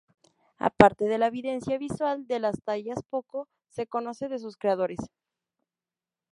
Aparte de la evidencia visual de las tallas poco se conoce de sus creadores.